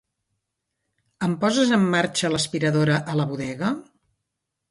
Em poses en marxa l'aspiradora a la bodega?